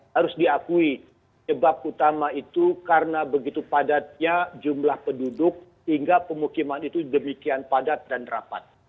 harus diakui sebab utama itu karena begitu padatnya jumlah penduduk hingga pemukiman itu demikian padat dan rapat